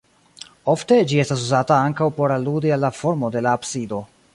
Ofte, ĝi estas uzata ankaŭ por aludi al la formo de la absido.